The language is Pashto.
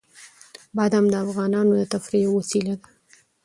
بادام د افغانانو د تفریح یوه وسیله ده.